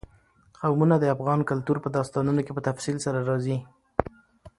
قومونه د افغان کلتور په داستانونو کې په تفصیل سره راځي.